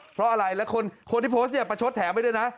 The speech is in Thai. เพราะอะไรแล้วคนที่โพสต์เนี่ยประชดแถมไปด้วยนะ